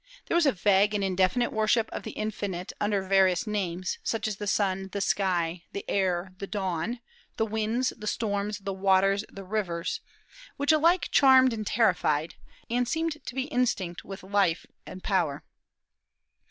There was a vague and indefinite worship of the Infinite under various names, such as the sun, the sky, the air, the dawn, the winds, the storms, the waters, the rivers, which alike charmed and terrified, and seemed to be instinct with life and power.